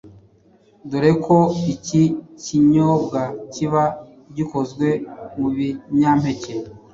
dore ko iki kinyobwa kiba gikozwe mu binyampeke.